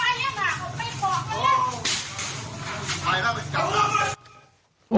ครับ